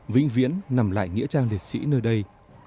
vĩnh viễn nằm lại nghĩa trang liệt sĩ nơi đây